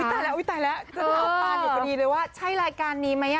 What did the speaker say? อุ้ยตายแล้วอุ้ยตายแล้วเอาตามอยู่พอดีเลยว่าใช่รายการนี้ไหมอ่ะ